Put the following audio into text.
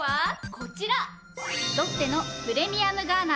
ロッテのプレミアムガーナ。